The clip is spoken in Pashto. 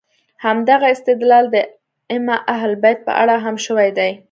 همدغه استدلال د ائمه اهل بیت په اړه هم شوی دی.